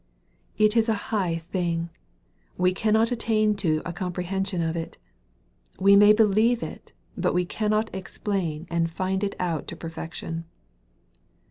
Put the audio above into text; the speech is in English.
It is a high thing. We cannot attain to a comprehension of it. We may believe it, but we cannot explain and find it out to perfection.